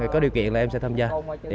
có điều kiện là em sẽ tham gia